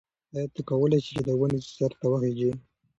ایا ته کولای شې چې د ونې سر ته وخیژې؟